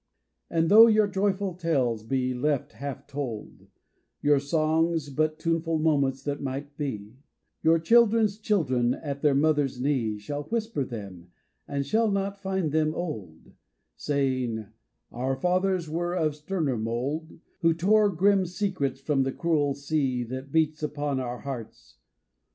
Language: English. And though your joyful tales be left half told, Your songs but tuneful moments that might be, Your children's children at their mother's knee Shall whisper them and shall not find them old, 142 TO AN IDLE POET Saying "Our fathers were of sterner mould Who tore grim secrets from the cruel sea That beats upon our hearts."